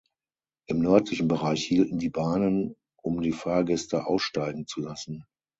Im nördlichen Bereich hielten die Bahnen, um die Fahrgäste aussteigen zu lassen.